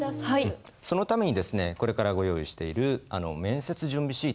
そのためにですねこれからご用意している面接準備シート